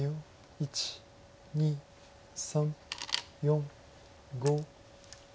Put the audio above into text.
１２３４５。